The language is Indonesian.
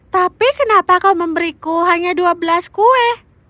tapi kenapa kau memberiku hanya dua belas kue